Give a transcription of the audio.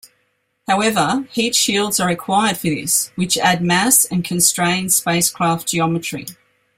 However, heat shields are required for this, which add mass and constrain spacecraft geometry.